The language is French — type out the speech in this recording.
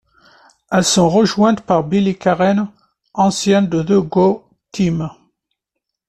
Elles sont rejointes par Billy Karren, ancien de The Go Team.